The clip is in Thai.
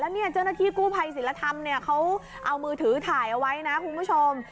แล้วเนี่ยเจ้าหน้าที่กู้ภัยศิลธรรมเนี่ยเขาเอามือถือถ่ายเอาไว้นะคุณผู้ชม